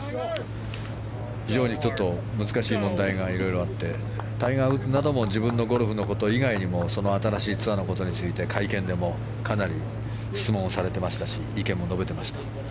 非常にちょっと難しい問題がいろいろあってタイガー・ウッズなども自分のゴルフのこと以外にもその新しいツアーのことについて会見でもかなり質問されていましたし意見も述べてました。